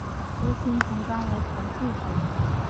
核形虫纲为旁系群。